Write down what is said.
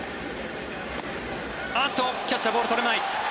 キャッチャー、ボールとれない。